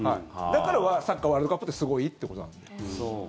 だからサッカーワールドカップってすごいってことなんです。